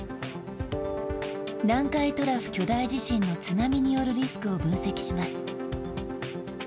南海トラフ巨大地震の津波によるリスクを分析します。